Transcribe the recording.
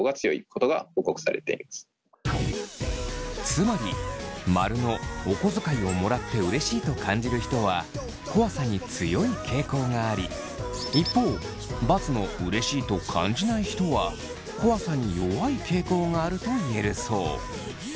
つまり○のお小遣いをもらってうれしいと感じる人は怖さに強い傾向があり一方×のうれしいと感じない人は怖さに弱い傾向があると言えるそう。